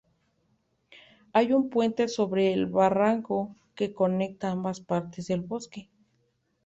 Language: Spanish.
Hay un puente sobre el barranco que conecta ambas partes del bosque.